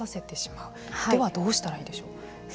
ではどうしたらいいでしょうか。